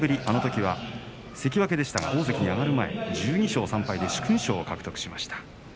あのときは関脇でしたが大関に上がる前１２勝３敗で殊勲賞を獲得しました。